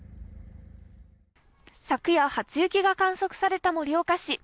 昨夜、初雪が観測された盛岡市。